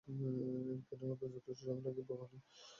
একদিনের মত যথেষ্ট ঝামেলা কি পাকাওনি?